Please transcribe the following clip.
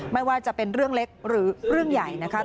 ไม่ว่าจะเป็นเรื่องเล็กหรือเรื่องใหญ่นะคะ